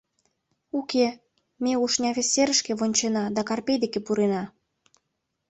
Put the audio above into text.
— Уке, ме Ушня вес серышке вончена да Карпей деке пурена.